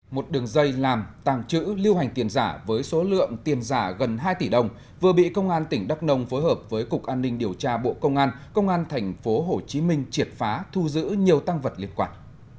một đường dây làm tàng trữ lưu hành tiền giả với số lượng tiền giả gần hai tỷ đồng vừa bị công an tỉnh đắk nông phối hợp với cục an ninh điều tra bộ công an công an tp hcm triệt phá thu giữ nhiều tăng vật liên quan